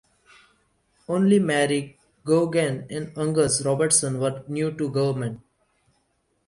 Only Mairi Gougeon and Angus Robertson were new to government.